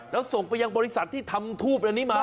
แล้วส่งไปยังบริษัทที่ทำทูบอันนี้มา